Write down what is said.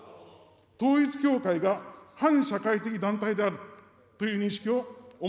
統一教会が反社会的団体であるという認識をお